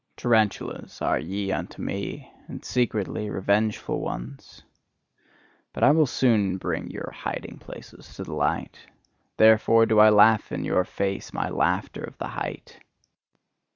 Tarantulas are ye unto me, and secretly revengeful ones! But I will soon bring your hiding places to the light: therefore do I laugh in your face my laughter of the height.